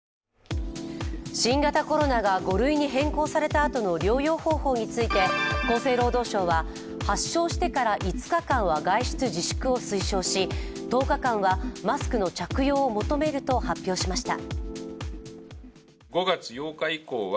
新型コロナが５類に変更されたあとの療養方法について厚生労働省は発症してから５日間は外出自粛を推奨し１０日間はマスクの着用を求めると発表しました。